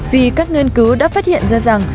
vì các nghiên cứu đã phát hiện ra rằng